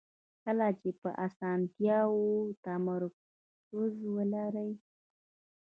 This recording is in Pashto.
کله چې په اسانتیاوو تمرکز ولرئ.